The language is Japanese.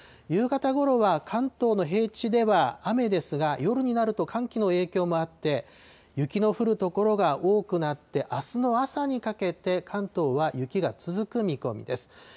夕方ごろは関東の平地では雨ですが、夜になると寒気の影響もあって、雪の降る所が多くなって、あすの朝にかけて関東は雪が続く見込みです。